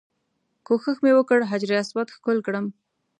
کوښښ مې وکړ حجر اسود ښکل کړم.